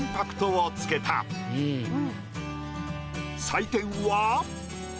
採点は。